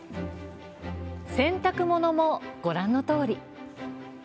洗濯物も、ご覧のとおり。